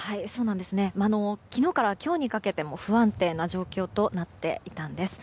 昨日から今日にかけても不安定な状況となっていたんです。